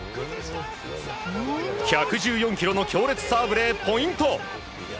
１１４キロの強烈サーブでポイント。